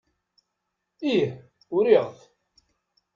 Ih, uriɣ-t.